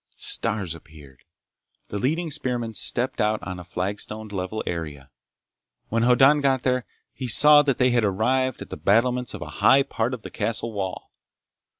Stars appeared. The leading spearmen stepped out on a flagstoned level area. When Hoddan got there he saw that they had arrived at the battlements of a high part of the castle wall.